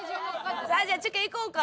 じゃあちゅけ行こうか。